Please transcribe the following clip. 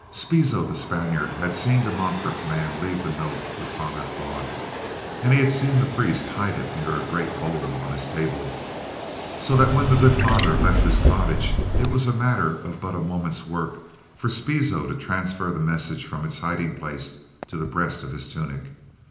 Spizo, the Spaniard, had seen De Montfort's man leave the note with Father Claude and he had seen the priest hide it under a great bowl on his table, so that when the good father left his cottage, it was the matter of but a moment's work for Spizo to transfer the message from its hiding place to the breast of his tunic.